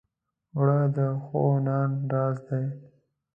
اوړه د ښو نان راز دی